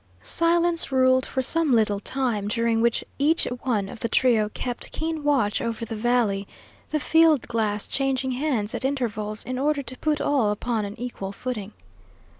Silence ruled for some little time, during which each one of the trio kept keen watch over the valley, the field glass changing hands at intervals in order to put all upon an equal footing.